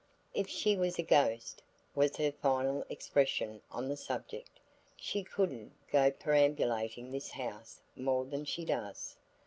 "If she was a ghost," was her final expression on the subject, "she could'nt go peramberlating this house more than she does.